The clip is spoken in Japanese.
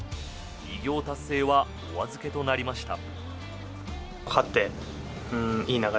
偉業達成はお預けとなりました。